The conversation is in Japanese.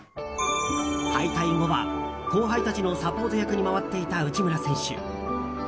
敗退後は、後輩たちのサポート役に回っていた内村選手。